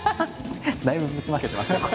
だいぶぶちまけてますけど。